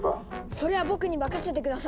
それは僕に任せて下さい。